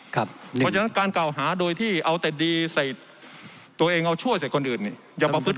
ครับหนึ่งจะนั่นการกล่าวหาโดยที่เอาแต่ดีใส่ตัวเองเอาชั่วใส่คนอื่นนี่